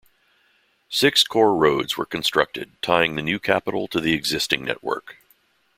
Six core roads were constructed tying the new capital to the existing network.